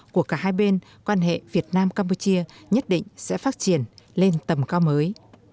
của cả hai bên quan hệ việt nam campuchia nhất định sẽ phát triển lên tầm cao mới